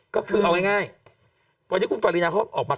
ก็คือเอาง่ายวันนี้คุณปรินาเขาออกมา